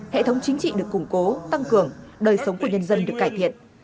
hệ thống chính trị được củng cố tăng cường đời sống của nhân dân được cải thiện